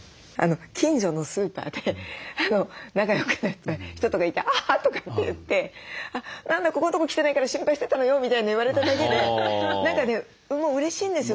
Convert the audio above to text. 近所のスーパーで仲良くなった人とかいて「あ」とかって言って「何だここんとこ来てないから心配してたのよ」みたいに言われただけで何かねもううれしいんですよ